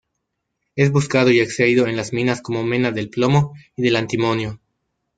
Es buscado y extraído en las minas como mena del plomo y del antimonio.